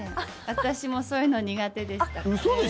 私もそういうの苦手でしたから。